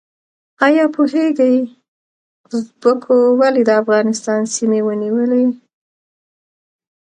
ایا پوهیږئ ازبکو ولې د افغانستان سیمې ونیولې؟